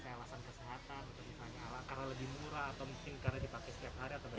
ada alasan kesehatan karena lebih murah atau mungkin karena dipakai setiap hari